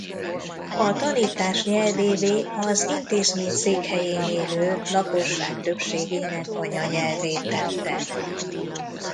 A tanítás nyelvévé az intézmény székhelyén élő lakosság többségének anyanyelvét tette.